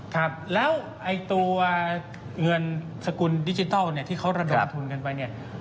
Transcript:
ครับแล้วตัวเงินสกุลดิจิทัลที่เขาระดมทุนกันไป